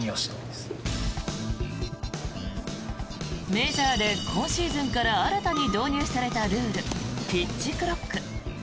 メジャーで今シーズンから新たに導入されたルールピッチクロック。